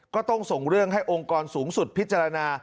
ก็ต้องส่งเรื่องให้องค์กรสูงสุดพิจารณา